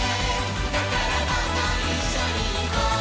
「だからどんどんいっしょにいこう」